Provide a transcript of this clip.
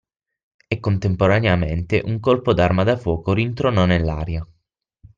E contemporaneamente un colpo d’arma da fuoco rintronò nell’aria.